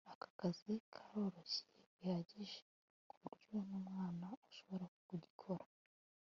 aka kazi karoroshye bihagije kuburyo numwana ashobora kugikora